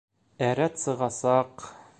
Ә рәт сығасаҡ.